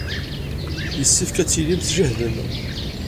Yessefk ad tilim tjehdem.